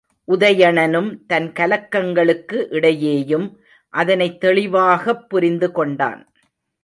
உதயணனும் தன் கலக்கங்களுக்கு இடையேயும் அதனைத் தெளிவாகப் புரிந்துகொண்டான்.